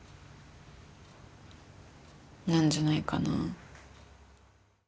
なんじゃないかな。